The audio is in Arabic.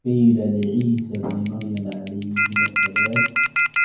وَقِيلَ لِعِيسَى ابْنِ مَرْيَمَ عَلَيْهِمَا السَّلَامُ